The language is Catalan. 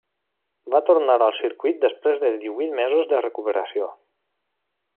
Va tornar al circuit després de divuit mesos de recuperació.